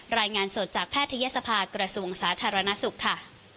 รายงานสดจากแพทยศภากระทรวงสาธารณสุขค่ะ